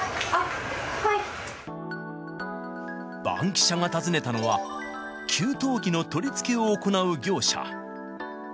バンキシャが訪ねたのは、給湯器の取り付けを行う業者。